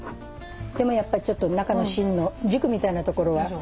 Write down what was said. でもやっぱりちょっと中の芯の軸みたいなところが。